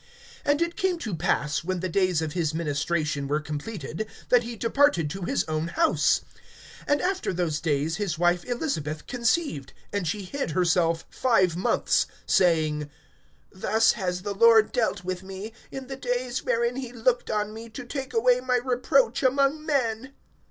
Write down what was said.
(23)And it came to pass, when the days of his ministration were completed, that he departed to his own house. (24)And after those days his wife Elisabeth conceived; and she hid herself five months, saying: (25)Thus has the Lord dealt with me, in the days wherein he looked on me to take away my reproach among men.